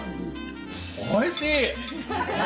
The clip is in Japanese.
おいしい！